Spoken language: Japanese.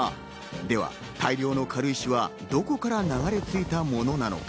では大量の軽石はどこから流れ着いたものなのか。